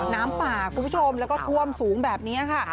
น้ำป่าคุณผู้ชมแล้วก็ท่วมสูงแบบนี้ค่ะ